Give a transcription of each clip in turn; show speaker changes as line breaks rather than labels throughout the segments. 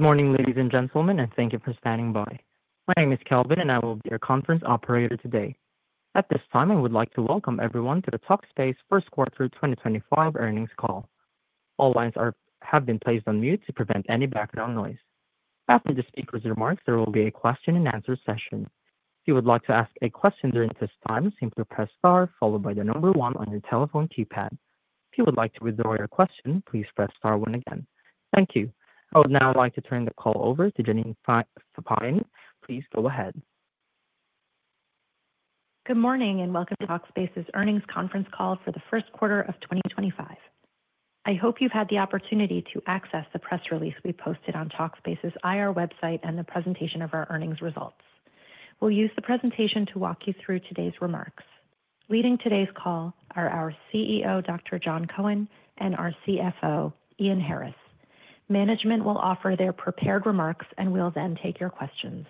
Good morning, ladies and gentlemen, and thank you for standing by. My name is Kelvin, and I will be your conference operator today. At this time, I would like to welcome everyone to the Talkspace First Quarter 2025 earnings call. All lines have been placed on mute to prevent any background noise. After the speaker's remarks, there will be a question-and-answer session. If you would like to ask a question during this time, simply press star followed by the number one on your telephone keypad. If you would like to withdraw your question, please press star one again. Thank you. I would now like to turn the call over to Janine Filippoine Please go ahead.
Good morning and welcome to Talkspace's earnings conference call for the first quarter of 2025. I hope you've had the opportunity to access the press release we posted on Talkspace's IR website and the presentation of our earnings results. We'll use the presentation to walk you through today's remarks. Leading today's call are our CEO, Dr. Jon Cohen, and our CFO, Ian Harris. Management will offer their prepared remarks and will then take your questions.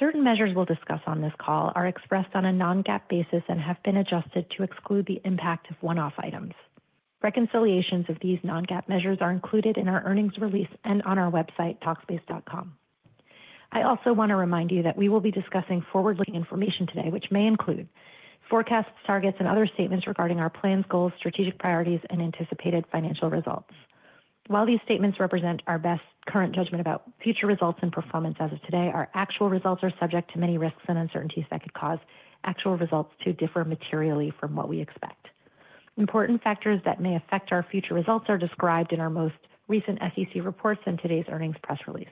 Certain measures we'll discuss on this call are expressed on a non-GAAP basis and have been adjusted to exclude the impact of one-off items. Reconciliations of these non-GAAP measures are included in our earnings release and on our website, talkspace.com. I also want to remind you that we will be discussing forward-looking information today, which may include forecasts, targets, and other statements regarding our plans, goals, strategic priorities, and anticipated financial results. While these statements represent our best current judgment about future results and performance as of today, our actual results are subject to many risks and uncertainties that could cause actual results to differ materially from what we expect. Important factors that may affect our future results are described in our most recent SEC reports and today's earnings press release.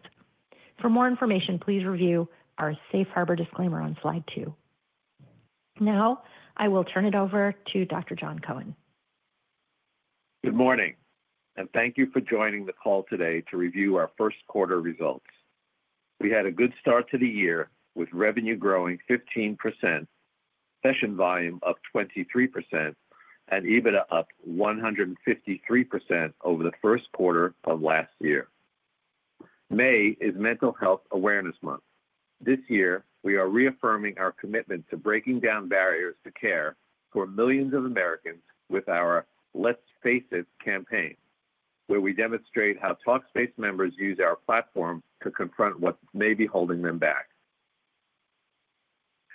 For more information, please review our safe harbor disclaimer on slide two. Now, I will turn it over to Dr. Jon Cohen.
Good morning, and thank you for joining the call today to review our first quarter results. We had a good start to the year with revenue growing 15%, session volume up 23%, and EBITDA up 153% over the first quarter of last year. May is Mental Health Awareness Month. This year, we are reaffirming our commitment to breaking down barriers to care for millions of Americans with our Let's Face It campaign, where we demonstrate how Talkspace members use our platform to confront what may be holding them back.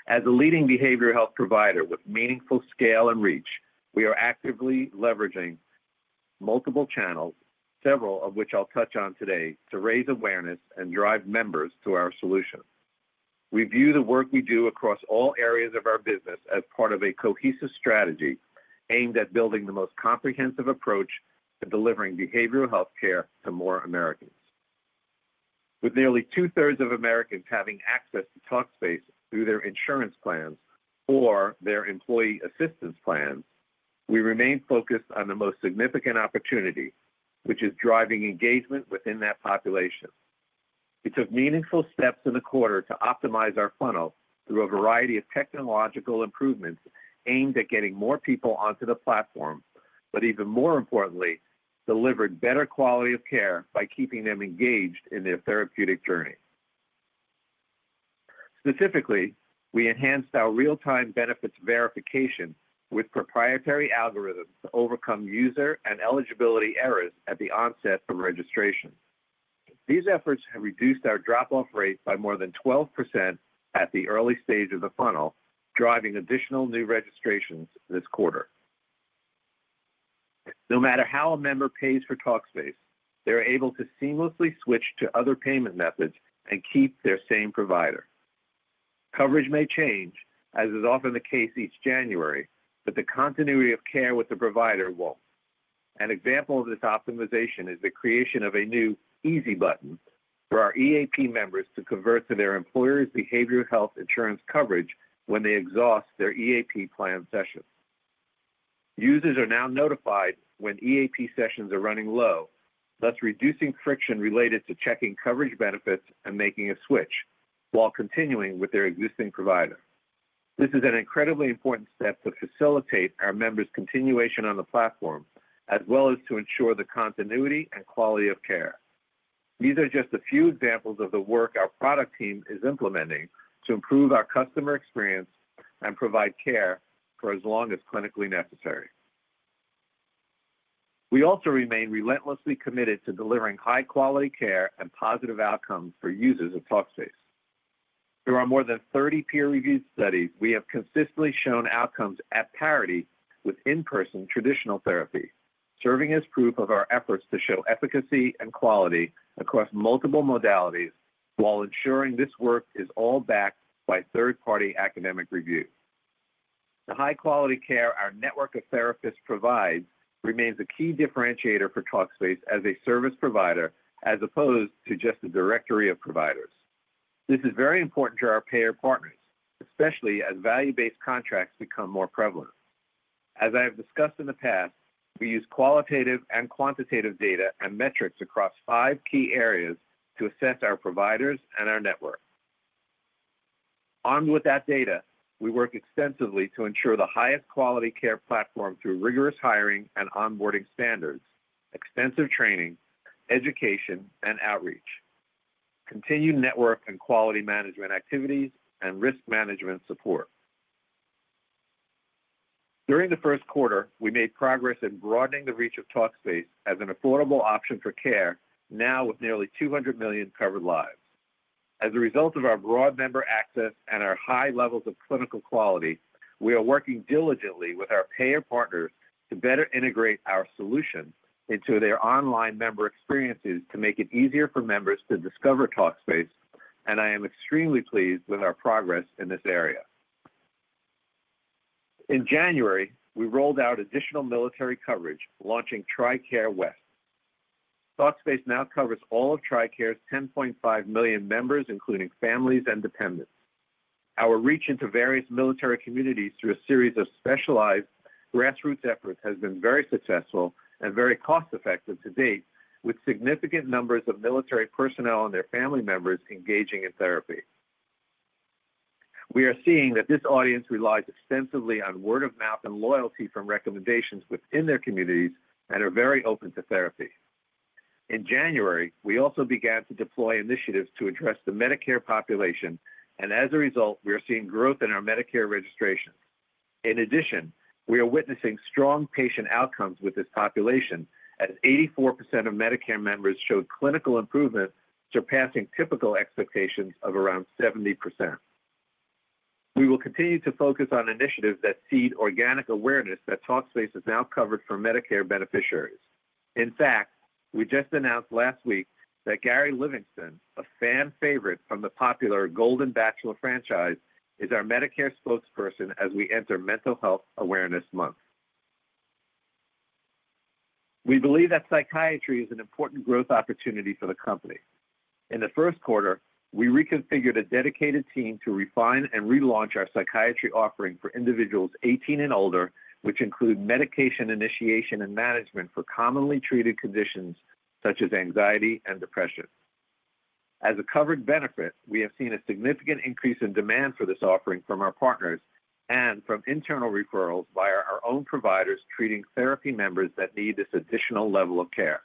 As a leading behavioral health provider with meaningful scale and reach, we are actively leveraging multiple channels, several of which I'll touch on today, to raise awareness and drive members to our solutions. We view the work we do across all areas of our business as part of a cohesive strategy aimed at building the most comprehensive approach to delivering behavioral health care to more Americans. With nearly two-thirds of Americans having access to Talkspace through their insurance plans or their employee assistance plans, we remain focused on the most significant opportunity, which is driving engagement within that population. We took meaningful steps in the quarter to optimize our funnel through a variety of technological improvements aimed at getting more people onto the platform, but even more importantly, delivered better quality of care by keeping them engaged in their therapeutic journey. Specifically, we enhanced our real-time benefits verification with proprietary algorithms to overcome user and eligibility errors at the onset of registration. These efforts have reduced our drop-off rate by more than 12% at the early stage of the funnel, driving additional new registrations this quarter. No matter how a member pays for Talkspace, they're able to seamlessly switch to other payment methods and keep their same provider. Coverage may change, as is often the case each January, but the continuity of care with the provider won't. An example of this optimization is the creation of a new easy button for our EAP members to convert to their employer's behavioral health insurance coverage when they exhaust their EAP plan sessions. Users are now notified when EAP sessions are running low, thus reducing friction related to checking coverage benefits and making a switch while continuing with their existing provider. This is an incredibly important step to facilitate our members' continuation on the platform, as well as to ensure the continuity and quality of care. These are just a few examples of the work our product team is implementing to improve our customer experience and provide care for as long as clinically necessary. We also remain relentlessly committed to delivering high-quality care and positive outcomes for users of Talkspace. There are more than 30 peer-reviewed studies we have consistently shown outcomes at parity with in-person traditional therapy, serving as proof of our efforts to show efficacy and quality across multiple modalities while ensuring this work is all backed by third-party academic review. The high-quality care our network of therapists provides remains a key differentiator for Talkspace as a service provider as opposed to just a directory of providers. This is very important to our payer partners, especially as value-based contracts become more prevalent. As I have discussed in the past, we use qualitative and quantitative data and metrics across five key areas to assess our providers and our network. Armed with that data, we work extensively to ensure the highest quality care platform through rigorous hiring and onboarding standards, extensive training, education, and outreach, continued network and quality management activities, and risk management support. During the first quarter, we made progress in broadening the reach of Talkspace as an affordable option for care, now with nearly 200 million covered lives. As a result of our broad member access and our high levels of clinical quality, we are working diligently with our payer partners to better integrate our solution into their online member experiences to make it easier for members to discover Talkspace, and I am extremely pleased with our progress in this area. In January, we rolled out additional military coverage, launching TRICARE West. Talkspace now covers all of TRICARE's 10.5 million members, including families and dependents. Our reach into various military communities through a series of specialized grassroots efforts has been very successful and very cost-effective to date, with significant numbers of military personnel and their family members engaging in therapy. We are seeing that this audience relies extensively on word-of-mouth and loyalty from recommendations within their communities and are very open to therapy. In January, we also began to deploy initiatives to address the Medicare population, and as a result, we are seeing growth in our Medicare registrations. In addition, we are witnessing strong patient outcomes with this population, as 84% of Medicare members showed clinical improvement, surpassing typical expectations of around 70%. We will continue to focus on initiatives that seed organic awareness that Talkspace has now covered for Medicare beneficiaries. In fact, we just announced last week that Gary Livingston, a fan favorite from the popular Golden Bachelor franchise, is our Medicare spokesperson as we enter Mental Health Awareness Month. We believe that psychiatry is an important growth opportunity for the company. In the first quarter, we reconfigured a dedicated team to refine and relaunch our psychiatry offering for individuals 18 and older, which includes medication initiation and management for commonly treated conditions such as anxiety and depression. As a covered benefit, we have seen a significant increase in demand for this offering from our partners and from internal referrals via our own providers treating therapy members that need this additional level of care.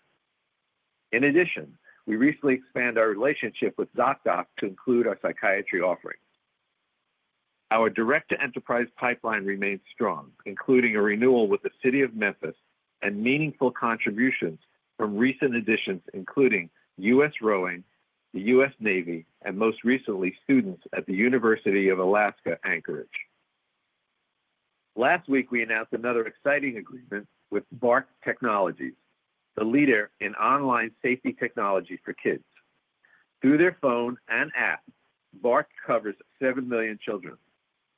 In addition, we recently expanded our relationship with Zocdoc to include our psychiatry offering. Our direct-to-enterprise pipeline remains strong, including a renewal with the City of Memphis and meaningful contributions from recent additions, including U.S. Rowing, the U.S. Navy, and most recently, students at the University of Alaska, Anchorage. Last week, we announced another exciting agreement with BARC Technologies, the leader in online safety technology for kids. Through their phone and app, BARC covers 7 million children.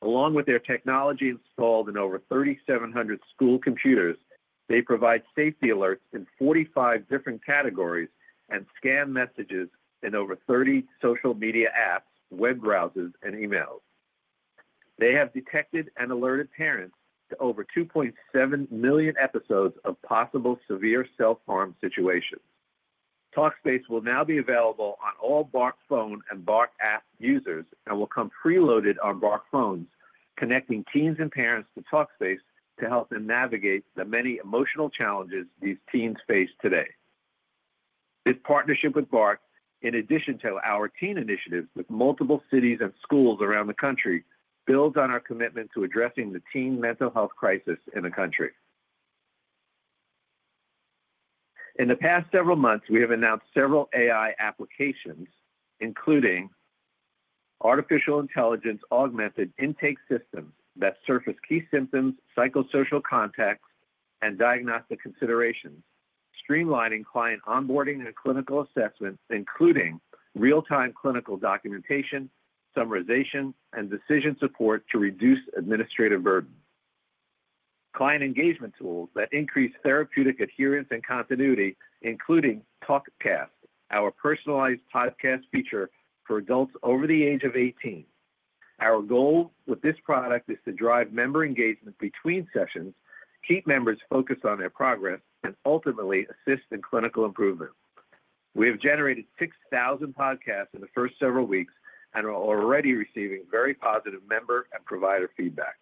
Along with their technology installed in over 3,700 school computers, they provide safety alerts in 45 different categories and scan messages in over 30 social media apps, web browsers, and emails. They have detected and alerted parents to over 2.7 million episodes of possible severe self-harm situations. Talkspace will now be available on all BARC phone and BARC app users and will come preloaded on BARC phones, connecting teens and parents to Talkspace to help them navigate the many emotional challenges these teens face today. This partnership with BARC, in addition to our teen initiatives with multiple cities and schools around the country, builds on our commitment to addressing the teen mental health crisis in the country. In the past several months, we have announced several AI applications, including artificial intelligence-augmented intake systems that surface key symptoms, psychosocial context, and diagnostic considerations, streamlining client onboarding and clinical assessment, including real-time clinical documentation, summarization, and decision support to reduce administrative burden. Client engagement tools that increase therapeutic adherence and continuity, including TalkCast, our personalized podcast feature for adults over the age of 18. Our goal with this product is to drive member engagement between sessions, keep members focused on their progress, and ultimately assist in clinical improvement. We have generated 6,000 podcasts in the first several weeks and are already receiving very positive member and provider feedback.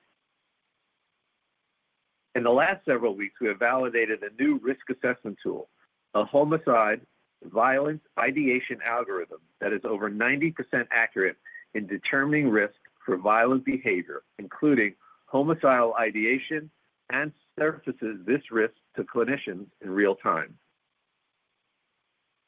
In the last several weeks, we have validated a new risk assessment tool, a homicide violence ideation algorithm that is over 90% accurate in determining risk for violent behavior, including homicidal ideation, and surfaces this risk to clinicians in real time.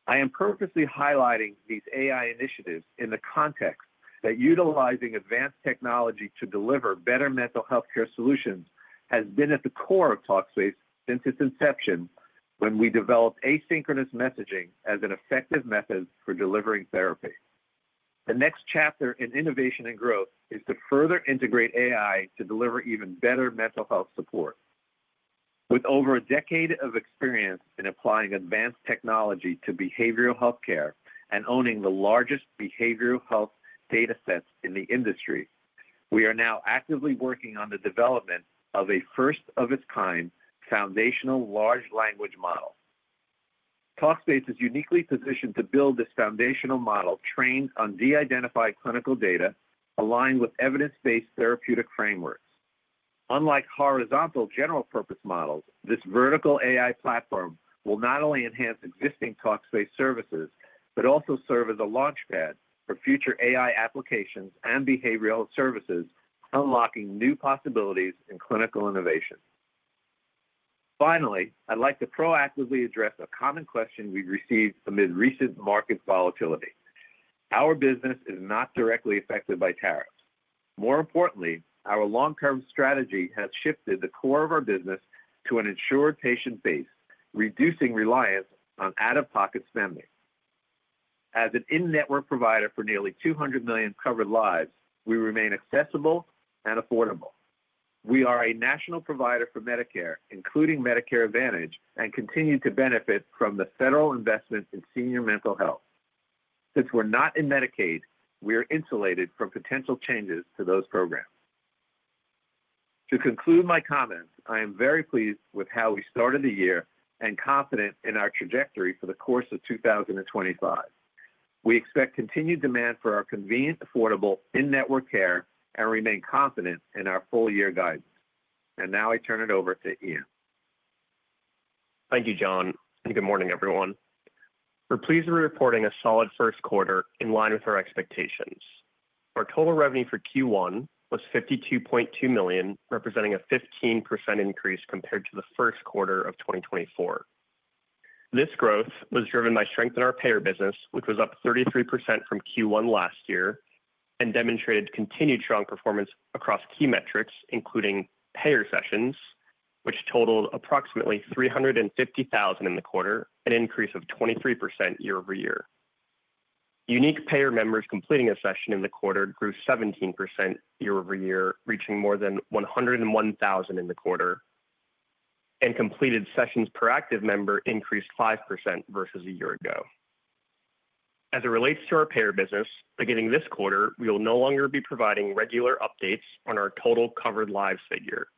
I am purposely highlighting these AI initiatives in the context that utilizing advanced technology to deliver better mental health care solutions has been at the core of Talkspace since its inception when we developed asynchronous messaging as an effective method for delivering therapy. The next chapter in innovation and growth is to further integrate AI to deliver even better mental health support. With over a decade of experience in applying advanced technology to behavioral health care and owning the largest behavioral health data sets in the industry, we are now actively working on the development of a first-of-its-kind foundational large language model. Talkspace is uniquely positioned to build this foundational model trained on de-identified clinical data aligned with evidence-based therapeutic frameworks. Unlike horizontal general-purpose models, this vertical AI platform will not only enhance existing Talkspace services, but also serve as a launchpad for future AI applications and behavioral services, unlocking new possibilities in clinical innovation. Finally, I'd like to proactively address a common question we've received amid recent market volatility. Our business is not directly affected by tariffs. More importantly, our long-term strategy has shifted the core of our business to an ensured patient base, reducing reliance on out-of-pocket spending. As an in-network provider for nearly 200 million covered lives, we remain accessible and affordable. We are a national provider for Medicare, including Medicare Advantage, and continue to benefit from the federal investment in senior mental health. Since we're not in Medicaid, we are insulated from potential changes to those programs. To conclude my comments, I am very pleased with how we started the year and confident in our trajectory for the course of 2025. We expect continued demand for our convenient, affordable in-network care and remain confident in our full-year guidance. I turn it over to Ian.
Thank you, Jon, and good morning, everyone. We're pleased to be reporting a solid first quarter in line with our expectations. Our total revenue for Q1 was $52.2 million, representing a 15% increase compared to the first quarter of 2024. This growth was driven by strength in our payer business, which was up 33% from Q1 last year and demonstrated continued strong performance across key metrics, including payer sessions, which totaled approximately 350,000 in the quarter, an increase of 23% year over year. Unique payer members completing a session in the quarter grew 17% year over year, reaching more than 101,000 in the quarter, and completed sessions per active member increased 5% versus a year ago. As it relates to our payer business, beginning this quarter, we will no longer be providing regular updates on our total covered lives figure.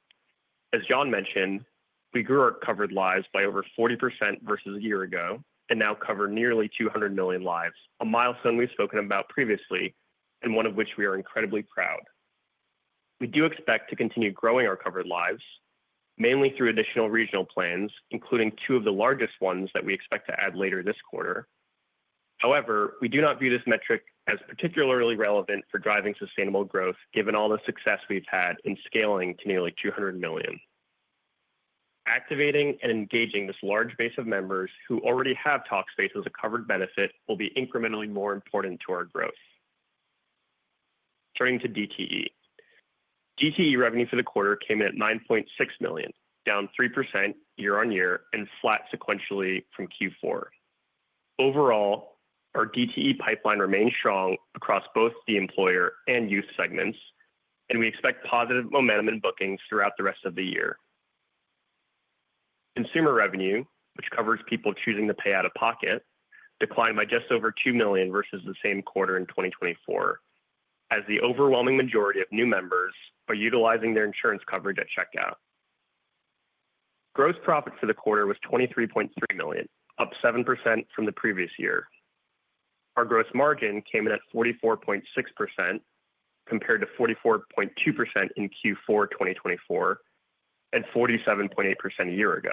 As John mentioned, we grew our covered lives by over 40% versus a year ago and now cover nearly 200 million lives, a milestone we've spoken about previously and one of which we are incredibly proud. We do expect to continue growing our covered lives, mainly through additional regional plans, including two of the largest ones that we expect to add later this quarter. However, we do not view this metric as particularly relevant for driving sustainable growth, given all the success we've had in scaling to nearly 200 million. Activating and engaging this large base of members who already have Talkspace as a covered benefit will be incrementally more important to our growth. Turning to DTE. DTE revenue for the quarter came in at $9.6 million, down 3% year on year and flat sequentially from Q4. Overall, our DTE pipeline remains strong across both the employer and youth segments, and we expect positive momentum in bookings throughout the rest of the year. Consumer revenue, which covers people choosing to pay out of pocket, declined by just over $2 million versus the same quarter in 2024, as the overwhelming majority of new members are utilizing their insurance coverage at checkout. Gross profit for the quarter was $23.3 million, up 7% from the previous year. Our gross margin came in at 44.6% compared to 44.2% in Q4 2024 and 47.8% a year ago.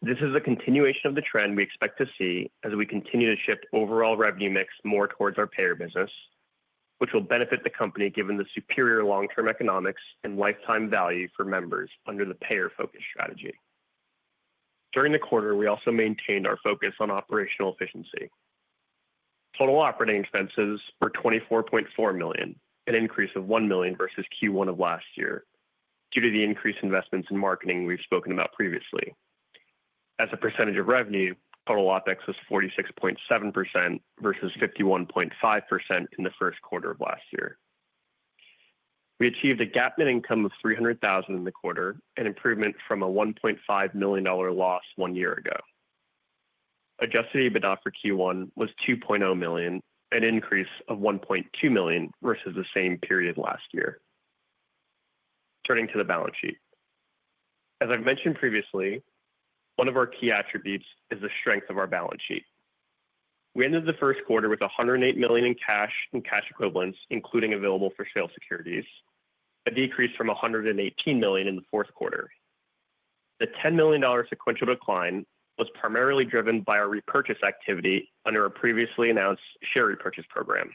This is a continuation of the trend we expect to see as we continue to shift overall revenue mix more towards our payer business, which will benefit the company given the superior long-term economics and lifetime value for members under the payer-focused strategy. During the quarter, we also maintained our focus on operational efficiency. Total operating expenses were $24.4 million, an increase of $1 million versus Q1 of last year, due to the increased investments in marketing we've spoken about previously. As a percentage of revenue, total OpEx was 46.7% versus 51.5% in the first quarter of last year. We achieved a GAAP net income of $300,000 in the quarter, an improvement from a $1.5 million loss one year ago. Adjusted EBITDA for Q1 was $2.0 million, an increase of $1.2 million versus the same period last year. Turning to the balance sheet. As I've mentioned previously, one of our key attributes is the strength of our balance sheet. We ended the first quarter with $108 million in cash and cash equivalents, including available for sale securities, a decrease from $118 million in the fourth quarter. The $10 million sequential decline was primarily driven by our repurchase activity under our previously announced share repurchase program.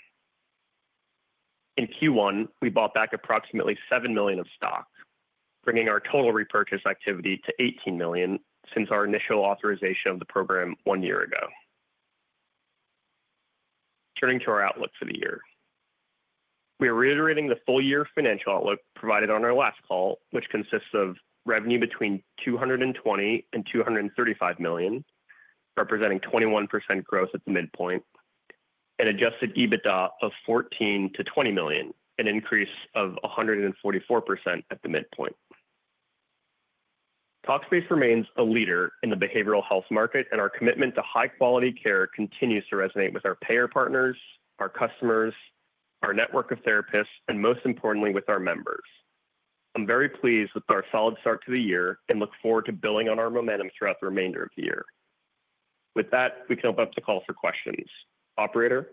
In Q1, we bought back approximately $7 million of stock, bringing our total repurchase activity to $18 million since our initial authorization of the program one year ago. Turning to our outlook for the year. We are reiterating the full-year financial outlook provided on our last call, which consists of revenue between $220 million-$235 million, representing 21% growth at the midpoint, an adjusted EBITDA of $14 million-$20 million, an increase of 144% at the midpoint. Talkspace remains a leader in the behavioral health market, and our commitment to high-quality care continues to resonate with our payer partners, our customers, our network of therapists, and most importantly, with our members. I'm very pleased with our solid start to the year and look forward to building on our momentum throughout the remainder of the year. With that, we can open up the call for questions. Operator.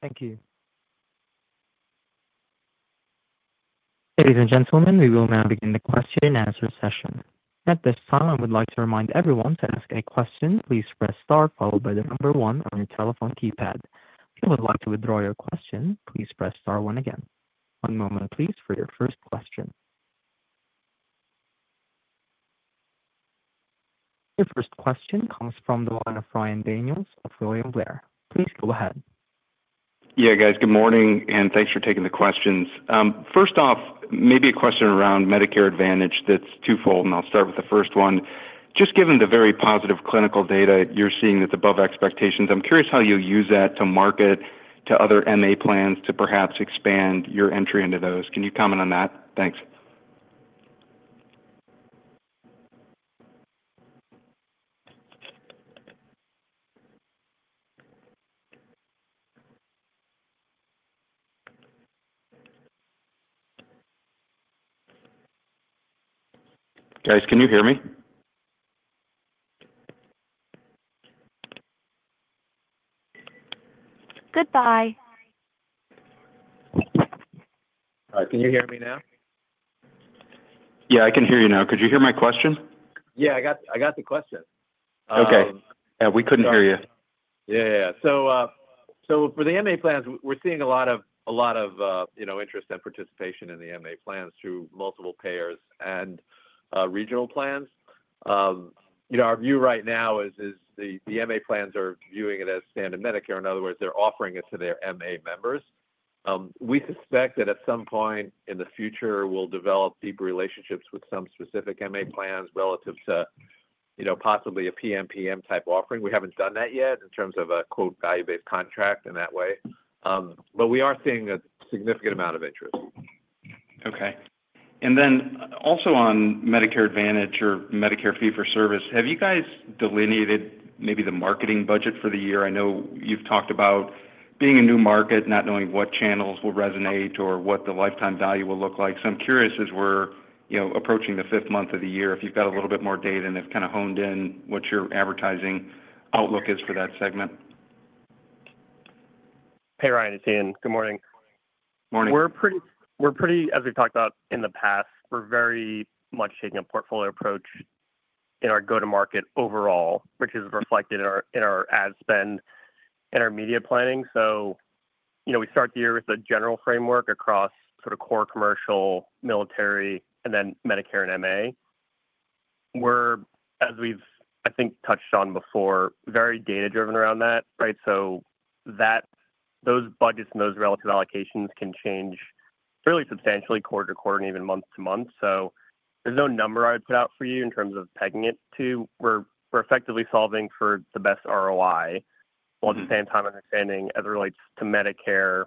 Thank you. Ladies and gentlemen, we will now begin the question-and-answer session. At this time, I would like to remind everyone to ask a question. Please press Star, followed by the number one on your telephone keypad. If you would like to withdraw your question, please press Star one again. One moment, please, for your first question. Your first question comes from the line of Ryan Daniels of William Blair. Please go ahead.
Yeah, guys, good morning, and thanks for taking the questions. First off, maybe a question around Medicare Advantage that's twofold, and I'll start with the first one. Just given the very positive clinical data, you're seeing that's above expectations. I'm curious how you'll use that to market to other MA plans to perhaps expand your entry into those. Can you comment on that? Thanks. Guys, can you hear me? Goodbye. All right, can you hear me now? Yeah, I can hear you now. Could you hear my question?
Yeah, I got the question. Okay. Yeah, we couldn't hear you. Yeah, yeah. So for the MA plans, we're seeing a lot of interest and participation in the MA plans through multiple payers and regional plans. Our view right now is the MA plans are viewing it as standard Medicare. In other words, they're offering it to their MA members. We suspect that at some point in the future, we'll develop deep relationships with some specific MA plans relative to possibly a PMPM-type offering. We haven't done that yet in terms of a "value-based contract" in that way. We are seeing a significant amount of interest.
Okay. Also, on Medicare Advantage or Medicare Fee for Service, have you guys delineated maybe the marketing budget for the year? I know you've talked about being a new market, not knowing what channels will resonate or what the lifetime value will look like. I'm curious, as we're approaching the fifth month of the year, if you've got a little bit more data and have kind of honed in what your advertising outlook is for that segment.
Hey, Ryan, it's Ian. Good morning. Morning. We're pretty, as we've talked about in the past, we're very much taking a portfolio approach in our go-to-market overall, which is reflected in our ad spend and our media planning. We start the year with a general framework across sort of core, commercial, military, and then Medicare and MA. We're, as we've, I think, touched on before, very data-driven around that, right? So those budgets and those relative allocations can change fairly substantially quarter to quarter and even month to month. There's no number I would put out for you in terms of pegging it to. We're effectively solving for the best ROI while at the same time understanding, as it relates to Medicare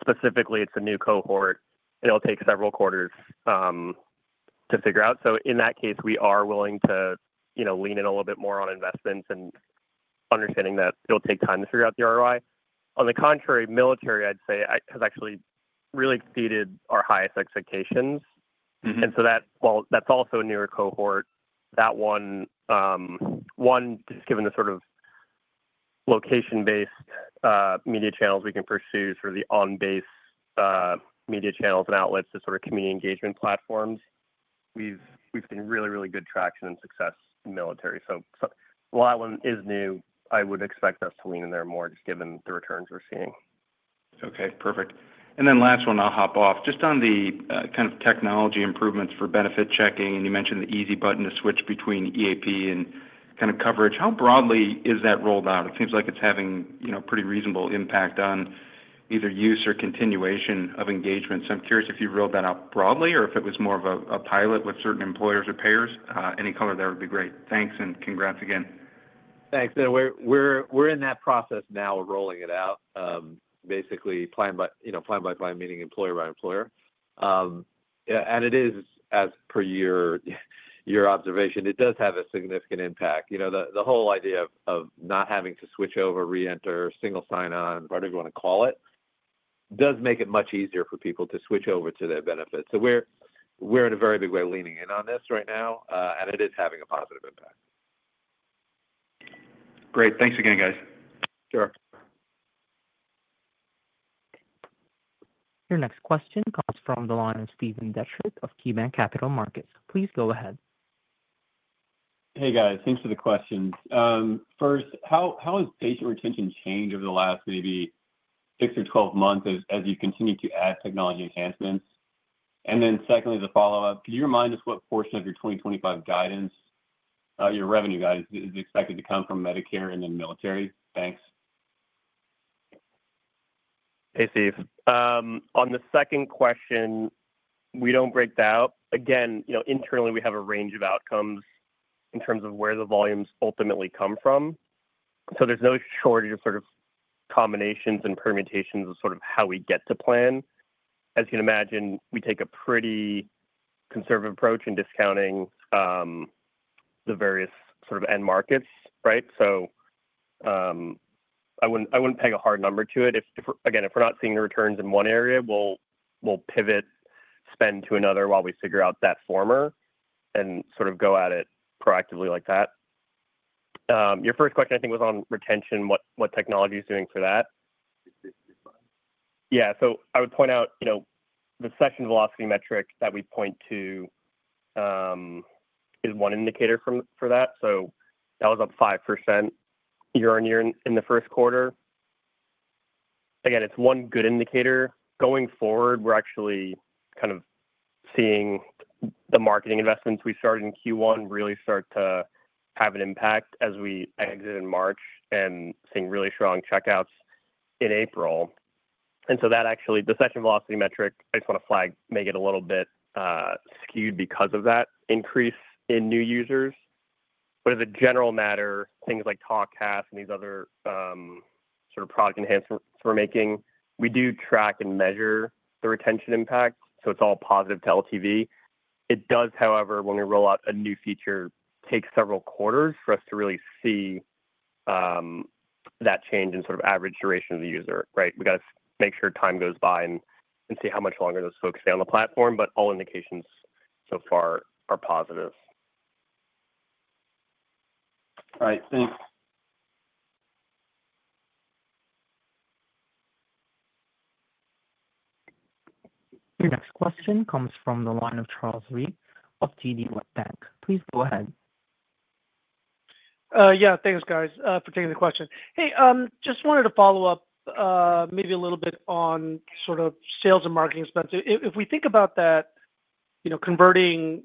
specifically, it's a new cohort, and it'll take several quarters to figure out. In that case, we are willing to lean in a little bit more on investments and understanding that it'll take time to figure out the ROI. On the contrary, military, I'd say, has actually really exceeded our highest expectations. While that's also a newer cohort, that one, just given the sort of location-based media channels we can pursue, sort of the on-base media channels and outlets, the sort of community engagement platforms, we've seen really, really good traction and success in military. While that one is new, I would expect us to lean in there more just given the returns we're seeing.
Okay, perfect. Last one, I'll hop off. Just on the kind of technology improvements for benefit checking, and you mentioned the easy button to switch between EAP and kind of coverage. How broadly is that rolled out? It seems like it's having pretty reasonable impact on either use or continuation of engagement. I'm curious if you rolled that out broadly or if it was more of a pilot with certain employers or payers. Any color there would be great. Thanks and congrats again.
Thanks. And we're in that process now of rolling it out, basically plan by plan, meaning employer by employer. It is, as per your observation, it does have a significant impact. The whole idea of not having to switch over, reenter, single sign-on, whatever you want to call it, does make it much easier for people to switch over to their benefits. We are in a very big way leaning in on this right now, and it is having a positive impact.
Great. Thanks again, guys. Sure.
Your next question comes from the line of Steve Dechert of KeyBanc Capital Markets. Please go ahead.
Hey, guys. Thanks for the questions. First, how has patient retention changed over the last maybe 6 or 12 months as you continue to add technology enhancements? Then secondly, the follow-up, could you remind us what portion of your 2025 guidance, your revenue guidance, is expected to come from Medicare and then military? Thanks.
Hey, Steve. On the second question, we do not break that out. Again, internally, we have a range of outcomes in terms of where the volumes ultimately come from. There is no shortage of sort of combinations and permutations of sort of how we get to plan. As you can imagine, we take a pretty conservative approach in discounting the various sort of end markets, right? I would not peg a hard number to it. Again, if we are not seeing the returns in one area, we will pivot spend to another while we figure out that former and sort of go at it proactively like that. Your first question, I think, was on retention, what technology is doing for that. Yeah. I would point out the session velocity metric that we point to is one indicator for that. That was up 5% year on year in the first quarter. Again, it's one good indicator. Going forward, we're actually kind of seeing the marketing investments we started in Q1 really start to have an impact as we exit in March and seeing really strong checkouts in April. That actually, the session velocity metric, I just want to flag, may get a little bit skewed because of that increase in new users. As a general matter, things like TalkCast and these other sort of product enhancements we're making, we do track and measure the retention impact. It's all positive to LTV. It does, however, when we roll out a new feature, take several quarters for us to really see that change in sort of average duration of the user, right? We got to make sure time goes by and see how much longer those folks stay on the platform. But all indications so far are positive.
All right. Thanks.
Your next question comes from the line of Charles Rhyee of TD Cowen. Please go ahead.
Yeah. Thanks, guys, for taking the question. Hey, just wanted to follow up maybe a little bit on sort of sales and marketing expenses. If we think about that, converting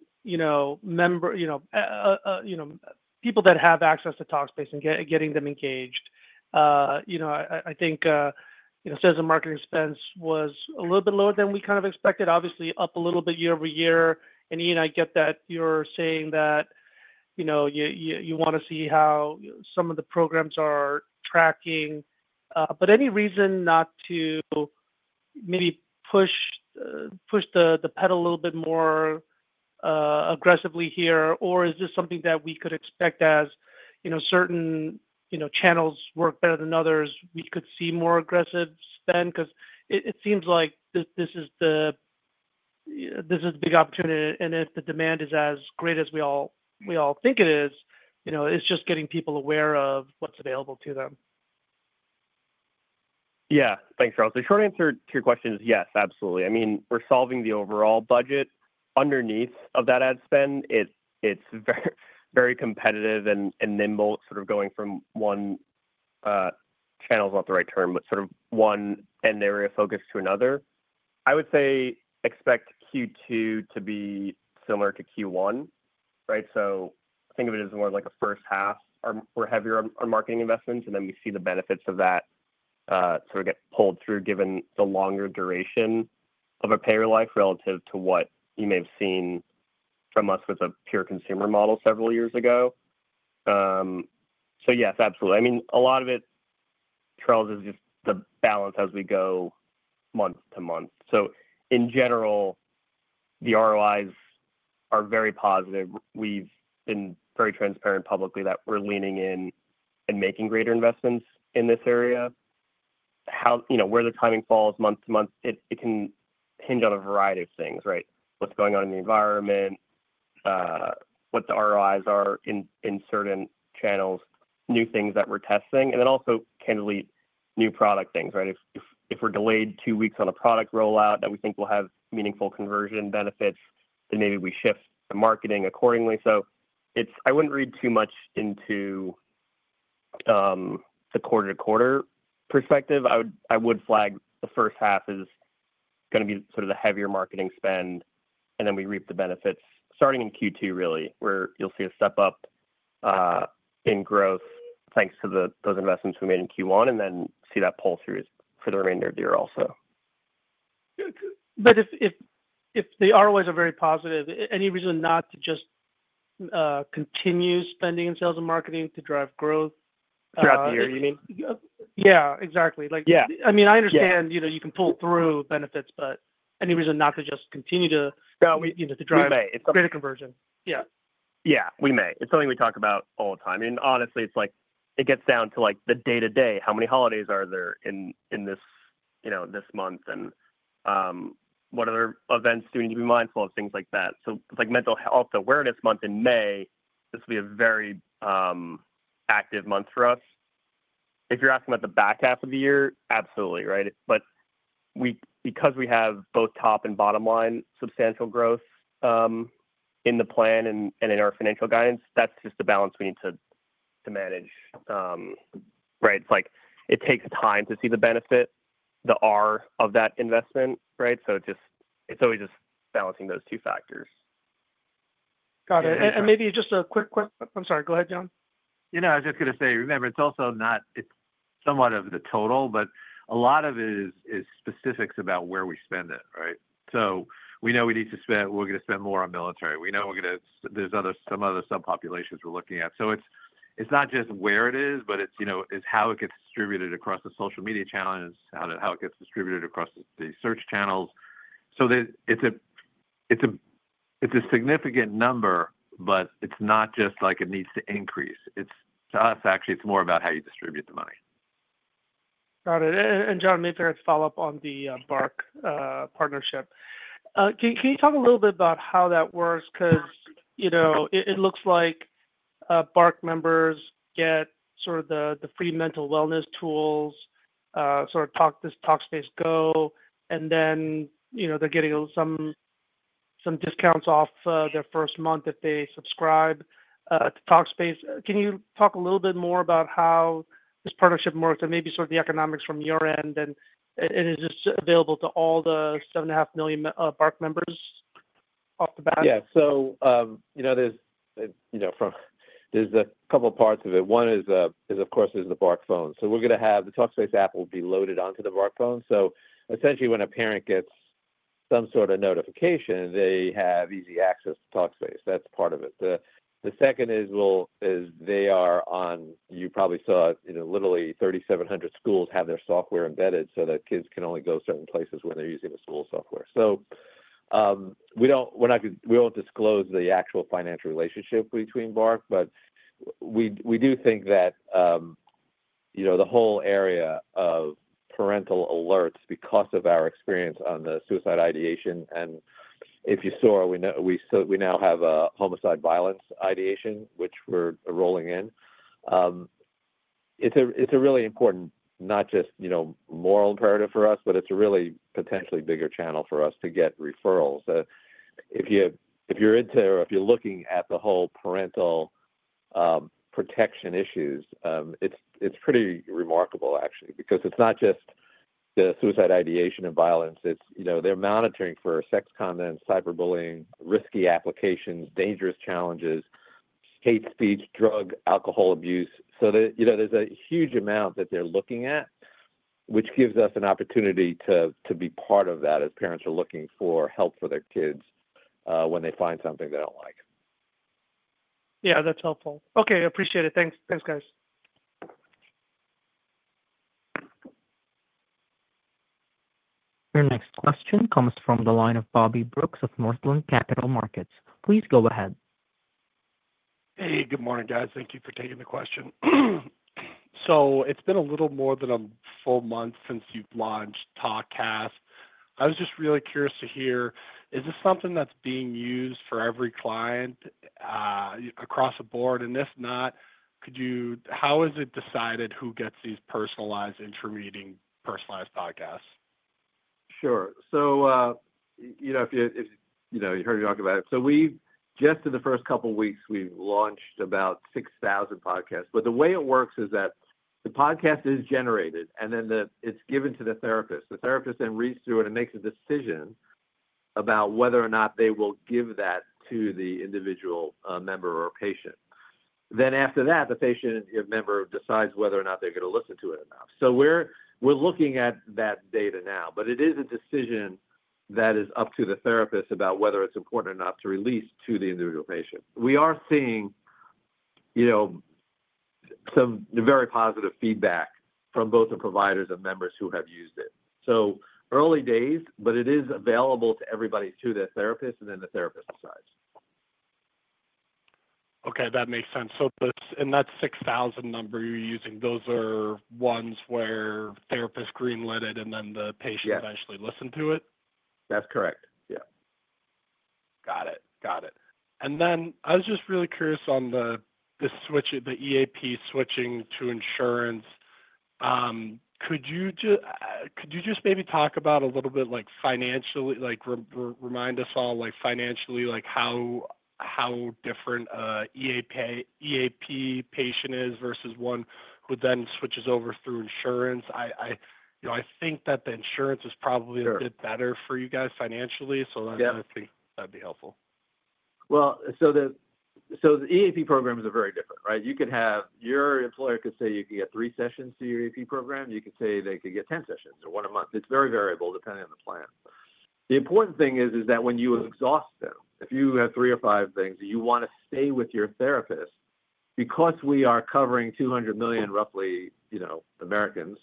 people that have access to Talkspace and getting them engaged, I think sales and marketing expense was a little bit lower than we kind of expected. Obviously, up a little bit year over year. Ian, I get that you're saying that you want to see how some of the programs are tracking. Any reason not to maybe push the pedal a little bit more aggressively here? Is this something that we could expect as certain channels work better than others, we could see more aggressive spend? It seems like this is the big opportunity. If the demand is as great as we all think it is, it's just getting people aware of what's available to them.
Yeah. Thanks, Charles. The short answer to your question is yes, absolutely. I mean, we're solving the overall budget underneath that ad spend. It's very competitive and nimble, sort of going from one channel's not the right term, but sort of one end area of focus to another. I would say expect Q2 to be similar to Q1, right? Think of it as more like a first half. We're heavier on marketing investments, and then we see the benefits of that sort of get pulled through given the longer duration of a payer life relative to what you may have seen from us with a pure consumer model several years ago. Yes, absolutely. I mean, a lot of it, Charles, is just the balance as we go month to month. In general, the ROIs are very positive. We've been very transparent publicly that we're leaning in and making greater investments in this area. Where the timing falls month to month, it can hinge on a variety of things, right? What's going on in the environment, what the ROIs are in certain channels, new things that we're testing, and then also, candidly, new product things, right? If we're delayed two weeks on a product rollout that we think will have meaningful conversion benefits, then maybe we shift the marketing accordingly. I wouldn't read too much into the quarter-to-quarter perspective. I would flag the first half is going to be sort of the heavier marketing spend, and then we reap the benefits starting in Q2, really, where you'll see a step up in growth thanks to those investments we made in Q1, and then see that pull through for the remainder of the year also.
If the ROIs are very positive, any reason not to just continue spending in sales and marketing to drive growth? Throughout the year, you mean? Yeah, exactly. I mean, I understand you can pull through benefits, but any reason not to just continue to drive? Yeah, we may. It's greater conversion. Yeah. Yeah, we may.
It's something we talk about all the time. Honestly, it gets down to the day-to-day. How many holidays are there in this month? What other events do we need to be mindful of? Things like that. Mental Health Awareness Month in May, this will be a very active month for us. If you're asking about the back half of the year, absolutely, right? Because we have both top and bottom line substantial growth in the plan and in our financial guidance, that's just the balance we need to manage, right? It takes time to see the benefit, the R of that investment, right? It's always just balancing those two factors. Got it. Maybe just a quick—I'm sorry, go ahead, Jon.
Yeah, no, I was just going to say, remember, it's also not—it's somewhat of the total, but a lot of it is specifics about where we spend it, right? We know we need to spend—we're going to spend more on military. We know we're going to—there's some other subpopulations we're looking at. It's not just where it is, but it's how it gets distributed across the social media channels, how it gets distributed across the search channels. It's a significant number, but it's not just like it needs to increase. To us, actually, it's more about how you distribute the money.
Got it. And Jon, maybe I'd follow up on the BARC partnership. Can you talk a little bit about how that works? Because it looks like BARC members get sort of the free mental wellness tools, sort of this Talkspace Go, and then they're getting some discounts off their first month if they subscribe to Talkspace. Can you talk a little bit more about how this partnership works and maybe sort of the economics from your end? Is this available to all the 7.5 million BARC members off the bat?
Yeah. There are a couple of parts of it. One is, of course, there's the BARC phone. We are going to have the Talkspace app loaded onto the BARC phone. Essentially, when a parent gets some sort of notification, they have easy access to Talkspace. That's part of it. The second is they are on—you probably saw it—literally 3,700 schools have their software embedded so that kids can only go certain places when they're using the school software. We won't disclose the actual financial relationship between BARC, but we do think that the whole area of parental alerts, because of our experience on the suicide ideation—and if you saw, we now have a homicide violence ideation, which we're rolling in—it's a really important not just moral imperative for us, but it's a really potentially bigger channel for us to get referrals. If you're into or if you're looking at the whole parental protection issues, it's pretty remarkable, actually, because it's not just the suicide ideation and violence. They're monitoring for sex content, cyberbullying, risky applications, dangerous challenges, hate speech, drug, alcohol abuse. There's a huge amount that they're looking at, which gives us an opportunity to be part of that as parents are looking for help for their kids when they find something they don't like.
Yeah, that's helpful. Okay. Appreciate it. Thanks, guys.
Your next question comes from the line of Bobby Brooks of Northland Capital Markets. Please go ahead.
Hey, good morning, guys. Thank you for taking the question. It has been a little more than a full month since you have launched TalkCast. I was just really curious to hear, is this something that is being used for every client across the board? If not, how is it decided who gets these personalized intermediate personalized podcasts?
Sure. If you heard me talk about it, just in the first couple of weeks, we have launched about 6,000 podcasts. The way it works is that the podcast is generated, and then it is given to the therapist. The therapist then reads through it and makes a decision about whether or not they will give that to the individual member or patient. After that, the patient member decides whether or not they're going to listen to it or not. We are looking at that data now, but it is a decision that is up to the therapist about whether it's important enough to release to the individual patient. We are seeing some very positive feedback from both the providers and members who have used it. Early days, but it is available to everybody through the therapist, and then the therapist decides.
Okay. That makes sense. And that 6,000 number you're using, those are ones where therapists greenlit it, and then the patient eventually listened to it?
That's correct. Yeah.
Got it. Got it. I was just really curious on the EAP switching to insurance. Could you just maybe talk about a little bit, remind us all financially how different an EAP patient is versus one who then switches over through insurance? I think that the insurance is probably a bit better for you guys financially. I think that would be helpful.
The EAP programs are very different, right? Your employer could say you can get three sessions through your EAP program. You could say they could get 10 sessions or one a month. It is very variable depending on the plan. The important thing is that when you exhaust them, if you have three or five things and you want to stay with your therapist, because we are covering 200 million roughly Americans,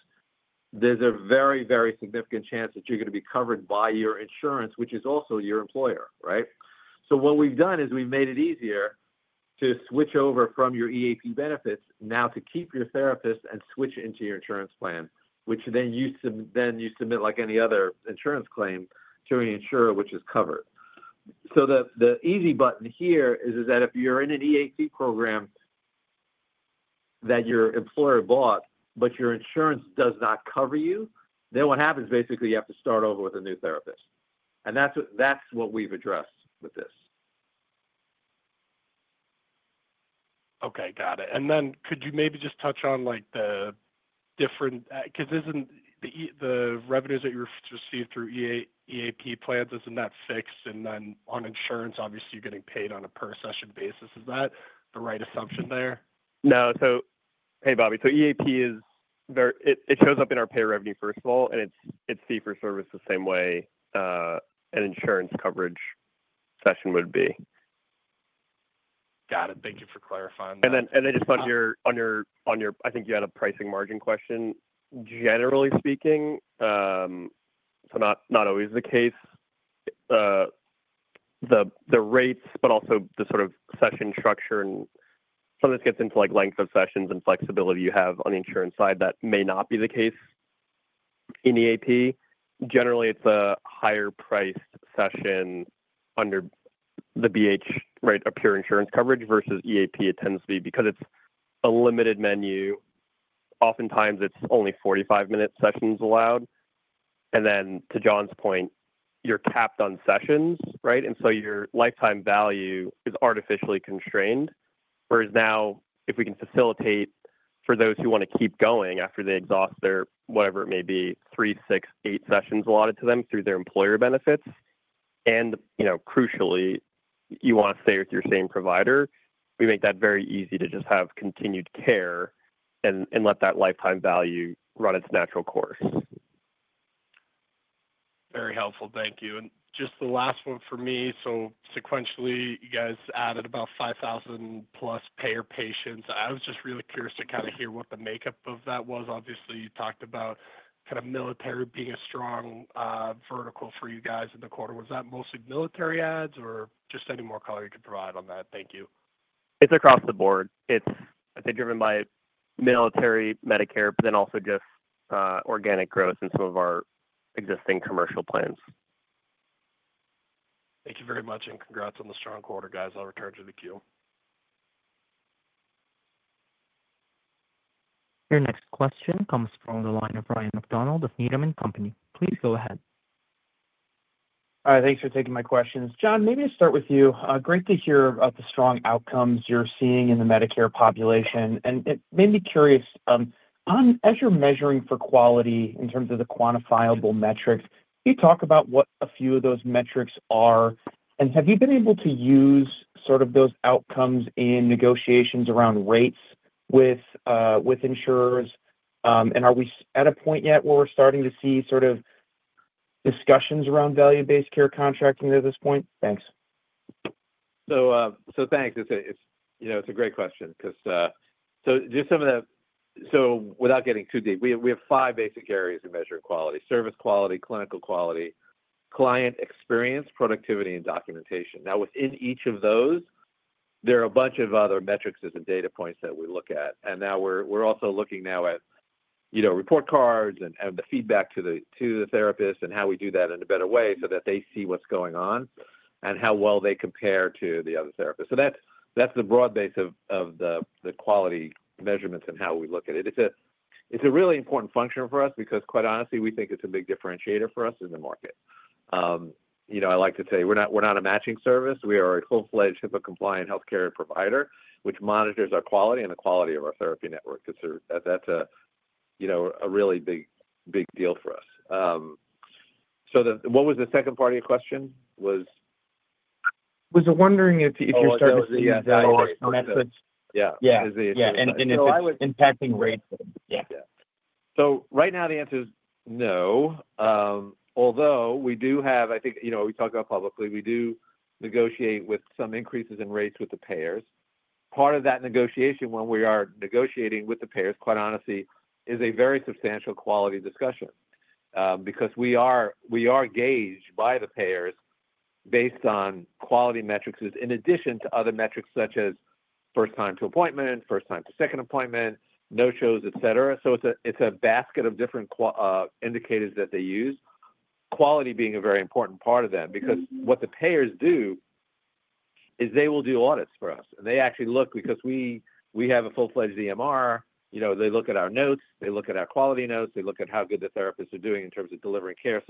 there is a very, very significant chance that you are going to be covered by your insurance, which is also your employer, right? What we've done is we've made it easier to switch over from your EAP benefits now to keep your therapist and switch into your insurance plan, which then you submit like any other insurance claim to an insurer, which is covered. The easy button here is that if you're in an EAP program that your employer bought, but your insurance does not cover you, then what happens basically, you have to start over with a new therapist. That's what we've addressed with this.
Okay. Got it. Could you maybe just touch on the different, because the revenues that you receive through EAP plans, isn't that fixed? On insurance, obviously, you're getting paid on a per-session basis. Is that the right assumption there? No.
Hey, Bobby, EAP, it shows up in our pay revenue, first of all, and it's fee for service the same way an insurance coverage session would be. Got it. Thank you for clarifying that. Just on your—I think you had a pricing margin question. Generally speaking, not always the case, the rates, but also the sort of session structure. Sometimes it gets into length of sessions and flexibility you have on the insurance side that may not be the case in EAP. Generally, it's a higher-priced session under the BH, right, of pure insurance coverage versus EAP. It tends to be because it's a limited menu. Oftentimes, it's only 45-minute sessions allowed. To Jon's point, you're capped on sessions, right? Your lifetime value is artificially constrained. Whereas now, if we can facilitate for those who want to keep going after they exhaust their, whatever it may be, three, six, eight sessions allotted to them through their employer benefits. And crucially, you want to stay with your same provider. We make that very easy to just have continued care and let that lifetime value run its natural course.
Very helpful. Thank you. Just the last one for me. Sequentially, you guys added about 5,000-plus payer patients. I was just really curious to kind of hear what the makeup of that was. Obviously, you talked about kind of military being a strong vertical for you guys in the quarter. Was that mostly military ads or just any more color you could provide on that? Thank you.
It's across the board. It's, I think, driven by military, Medicare, but then also just organic growth in some of our existing commercial plans.
Thank you very much, and congrats on the strong quarter, guys. I'll return to the queue.
Your next question comes from the line of Ryan MacDonald of Needham & Company. Please go ahead.
All right. Thanks for taking my questions. Jon, maybe I'll start with you. Great to hear about the strong outcomes you're seeing in the Medicare population. And maybe curious, as you're measuring for quality in terms of the quantifiable metrics, can you talk about what a few of those metrics are? And have you been able to use sort of those outcomes in negotiations around rates with insurers? And are we at a point yet where we're starting to see sort of discussions around value-based care contracting at this point? Thanks.
So thanks. It's a great question because just some of the—so without getting too deep, we have five basic areas of measuring quality: service quality, clinical quality, client experience, productivity, and documentation. Now, within each of those, there are a bunch of other metrics as data points that we look at. Now we're also looking at report cards and the feedback to the therapist and how we do that in a better way so that they see what's going on and how well they compare to the other therapists. That's the broad base of the quality measurements and how we look at it. It's a really important function for us because, quite honestly, we think it's a big differentiator for us in the market. I like to say we're not a matching service. We are a full-fledged HIPAA-compliant healthcare provider, which monitors our quality and the quality of our therapy network. That's a really big deal for us. What was the second part of your question? Was I wondering if you're starting to see value-based metrics. Yeah. Yeah. And if it's impacting rates. Yeah. Right now, the answer is no. Although we do have—I think we talked about publicly. We do negotiate with some increases in rates with the payers. Part of that negotiation, when we are negotiating with the payers, quite honestly, is a very substantial quality discussion because we are gauged by the payers based on quality metrics in addition to other metrics such as first-time to appointment, first-time to second appointment, no-shows, etc. It is a basket of different indicators that they use, quality being a very important part of that. Because what the payers do is they will do audits for us. They actually look because we have a full-fledged EMR. They look at our notes. They look at our quality notes. They look at how good the therapists are doing in terms of delivering care.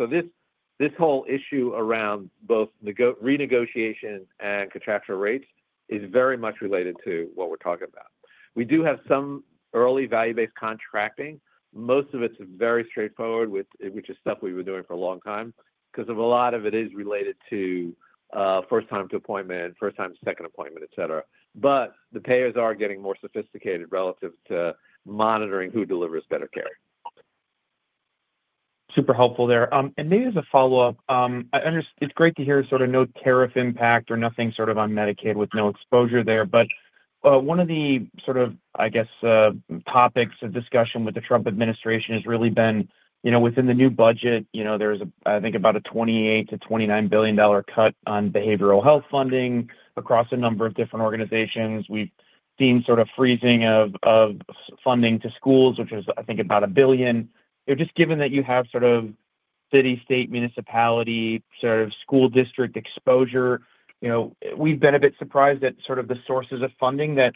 This whole issue around both renegotiation and contractual rates is very much related to what we're talking about. We do have some early value-based contracting. Most of it is very straightforward, which is stuff we've been doing for a long time because a lot of it is related to first-time to appointment, first-time to second appointment, etc. The payers are getting more sophisticated relative to monitoring who delivers better care.
Super helpful there. Maybe as a follow-up, it's great to hear sort of no tariff impact or nothing sort of on Medicaid with no exposure there. One of the sort of, I guess, topics of discussion with the Trump administration has really been within the new budget. There's, I think, about a $28 billion-$29 billion cut on behavioral health funding across a number of different organizations. We've seen sort of freezing of funding to schools, which is, I think, about $1 billion. Just given that you have sort of city, state, municipality, sort of school district exposure, we've been a bit surprised at sort of the sources of funding that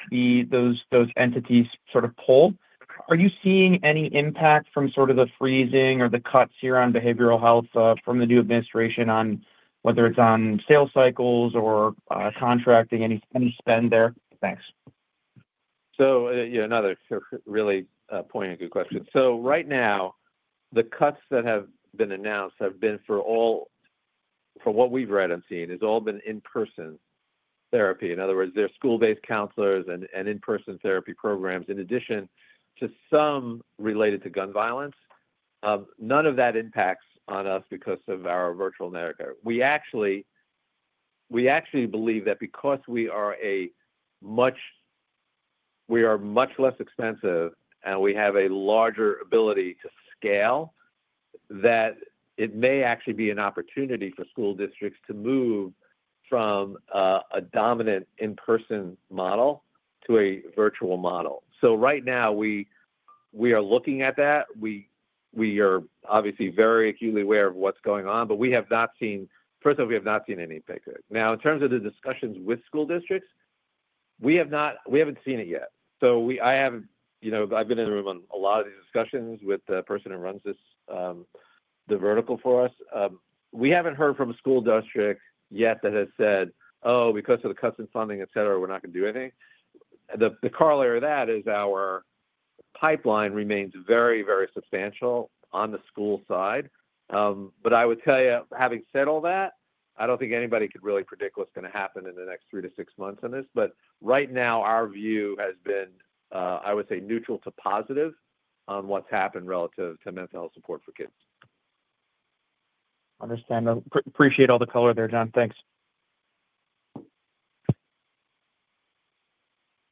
those entities sort of pull. Are you seeing any impact from sort of the freezing or the cuts here on behavioral health from the new administration on whether it's on sales cycles or contracting any spend there? Thanks.
Another really poignant good question. Right now, the cuts that have been announced have been for all, from what we've read and seen, it's all been in-person therapy. In other words, there are school-based counselors and in-person therapy programs in addition to some related to gun violence. None of that impacts on us because of our virtual America. We actually believe that because we are much—we are much less expensive, and we have a larger ability to scale, that it may actually be an opportunity for school districts to move from a dominant in-person model to a virtual model. Right now, we are looking at that. We are obviously very acutely aware of what's going on, but we have not seen—first of all, we have not seen any impact there. Now, in terms of the discussions with school districts, we haven't seen it yet. I've been in the room on a lot of these discussions with the person who runs the vertical for us. We haven't heard from a school district yet that has said, "Oh, because of the cuts in funding, etc., we're not going to do anything." The corollary of that is our pipeline remains very, very substantial on the school side. I would tell you, having said all that, I don't think anybody could really predict what's going to happen in the next three to six months on this. Right now, our view has been, I would say, neutral to positive on what's happened relative to mental health support for kids.
Understandable. Appreciate all the color there, Jon. Thanks.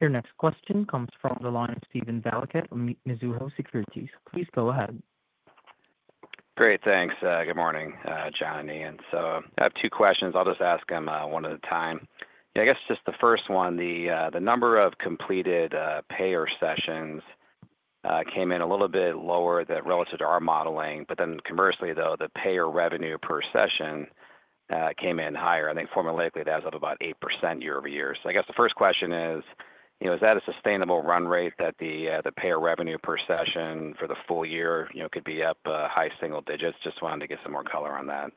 Your next question comes from the line of Steven Valiquette from Mizuho Securities. Please go ahead.
Great. Thanks. Good morning, Jon and Ian. I have two questions. I'll just ask them one at a time. I guess just the first one, the number of completed payer sessions came in a little bit lower relative to our modeling. But then conversely, though, the payer revenue per session came in higher. I think formulaically, that was up about 8% year over year. So I guess the first question is, is that a sustainable run rate that the payer revenue per session for the full year could be up high single digits? Just wanted to get some more color on that.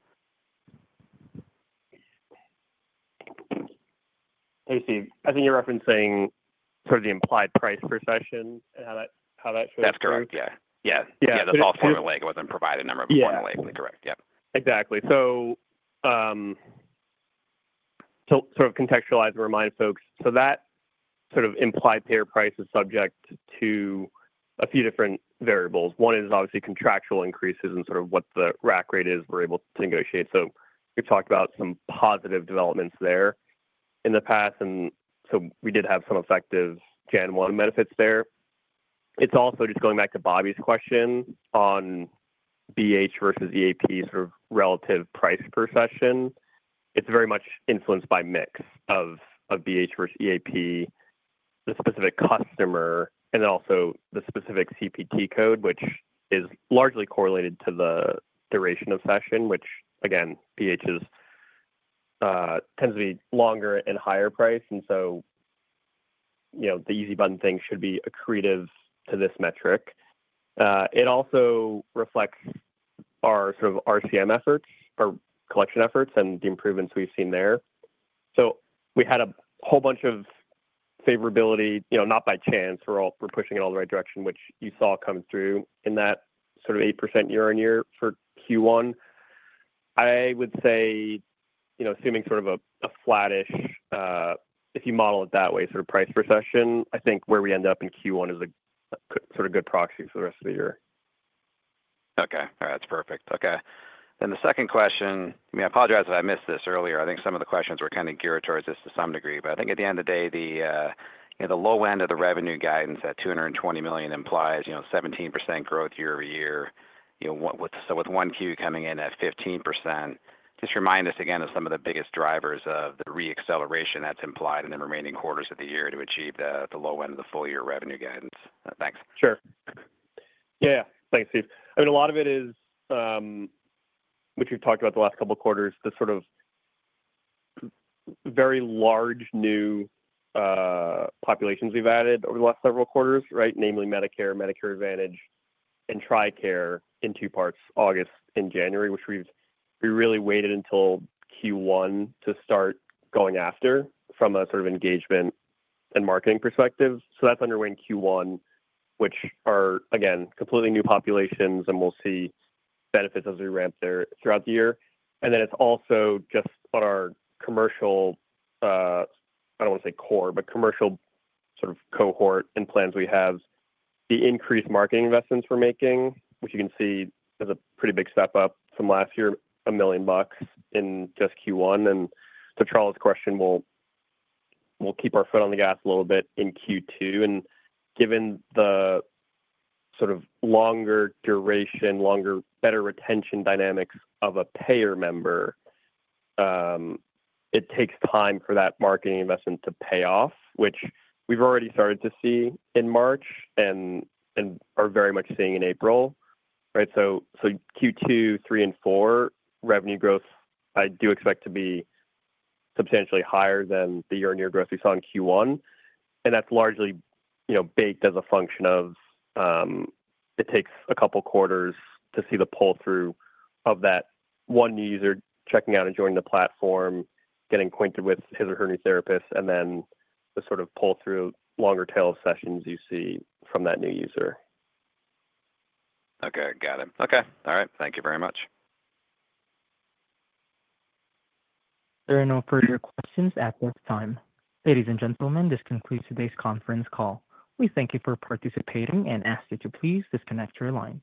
I see. I think you're referencing sort of the implied price per session and how that shows up. That's correct. Yeah. Yeah. That's all formulaic. It wasn't provided a number of formulaically correct. Yeah. Exactly. To sort of contextualize and remind folks, that sort of implied payer price is subject to a few different variables. One is obviously contractual increases and sort of what the rack rate is we're able to negotiate. We have talked about some positive developments there in the past. We did have some effective January 1 benefits there. It is also just going back to Bobby's question on BH versus EAP sort of relative price per session. It is very much influenced by mix of BH versus EAP, the specific customer, and then also the specific CPT code, which is largely correlated to the duration of session, which, again, BH tends to be longer and higher priced. The easy button thing should be accretive to this metric. It also reflects our sort of RCM efforts or collection efforts and the improvements we have seen there. We had a whole bunch of favorability, not by chance. We're pushing it all the right direction, which you saw coming through in that sort of 8% year on year for Q1. I would say, assuming sort of a flattish, if you model it that way, sort of price per session, I think where we end up in Q1 is a sort of good proxy for the rest of the year.
Okay. All right. That's perfect. Okay. The second question, I mean, I apologize if I missed this earlier. I think some of the questions were kind of geared towards this to some degree. I think at the end of the day, the low end of the revenue guidance at $220 million implies 17% growth year over year. With one Q coming in at 15%, just remind us again of some of the biggest drivers of the re-acceleration that's implied in the remaining quarters of the year to achieve the low end of the full-year revenue guidance. Thanks. Sure.
Yeah. Thanks, Steve. I mean, a lot of it is what you've talked about the last couple of quarters, the sort of very large new populations we've added over the last several quarters, right? Namely Medicare, Medicare Advantage, and TRICARE in two parts, August and January, which we really waited until Q1 to start going after from a sort of engagement and marketing perspective. That's under Q1, which are, again, completely new populations, and we'll see benefits as we ramp throughout the year. It is also just on our commercial—I do not want to say core, but commercial sort of cohort and plans we have, the increased marketing investments we are making, which you can see as a pretty big step up from last year, $1 million in just Q1. To Charles' question, we will keep our foot on the gas a little bit in Q2. Given the sort of longer duration, longer better retention dynamics of a payer member, it takes time for that marketing investment to pay off, which we have already started to see in March and are very much seeing in April, right? Q2, 3, and 4, revenue growth, I do expect to be substantially higher than the year-on-year growth we saw in Q1. That's largely baked as a function of it takes a couple of quarters to see the pull-through of that one user checking out and joining the platform, getting acquainted with his or her new therapist, and then the sort of pull-through longer tail of sessions you see from that new user.
Okay. Got it. Okay. All right. Thank you very much.
There are no further questions at this time. Ladies and gentlemen, this concludes today's conference call. We thank you for participating and ask that you please disconnect your lines.